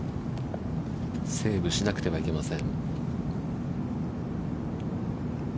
セーブしなくてはいけません。